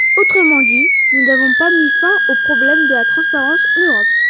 Autrement dit, nous n’avons pas mis fin au problème de la transparence en Europe.